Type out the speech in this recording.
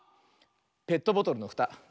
「ペットボトルのふた」。